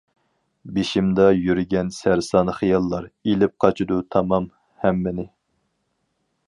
بېشىمدا يۈرگەن سەرسان خىياللار، ئېلىپ قاچىدۇ تامام ھەممىنى.